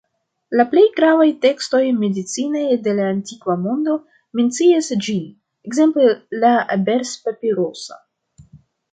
La plej gravaj tekstoj medicinaj de la antikva mondo mencias ĝin, ekzemple la Ebers-papiruso.